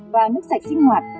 và nước sạch sinh hoạt